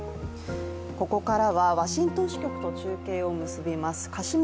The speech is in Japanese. ここからはワシントン支局と中継をつなぎます樫元